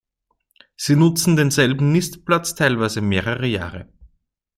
Sie nutzen denselben Nistplatz teilweise mehrere Jahre.